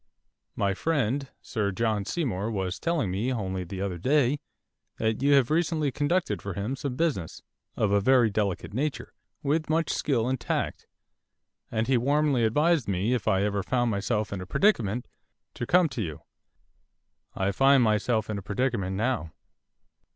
My friend, Sir John Seymour, was telling me, only the other day, that you have recently conducted for him some business, of a very delicate nature, with much skill and tact; and he warmly advised me, if ever I found myself in a predicament, to come to you. I find myself in a predicament now.